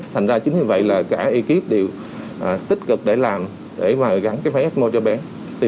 thành ra chính như vậy là cả ekip đều tích cực để làm để gắn cái máy ecmo cho bé